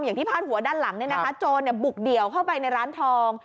อย่างที่พาดหัวด้านหลังเนี้ยนะคะโจรเนี้ยบุกเดี่ยวเข้าไปในร้านทอง